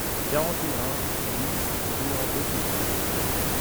quarante et un BIS rue André Picaud